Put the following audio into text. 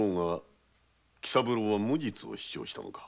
喜三郎は無実を主張したのか？